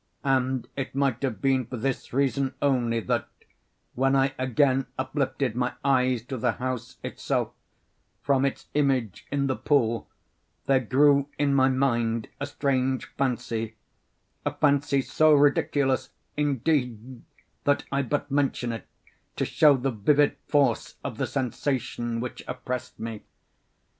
And it might have been for this reason only, that, when I again uplifted my eyes to the house itself, from its image in the pool, there grew in my mind a strange fancy—a fancy so ridiculous, indeed, that I but mention it to show the vivid force of the sensations which oppressed me.